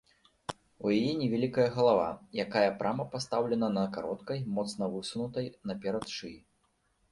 У яе невялікая галава, якая прама пастаўлена на кароткай, моцна высунутай наперад шыі.